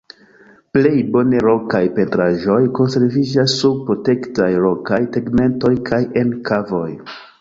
Plej bone rokaj pentraĵoj konserviĝas sub protektaj rokaj tegmentoj kaj en kavoj.